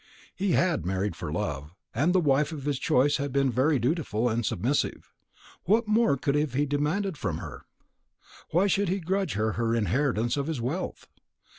He had married for love, and the wife of his choice had been very dutiful and submissive. What more could he have demanded from her? and why should he grudge her the inheritance of his wealth?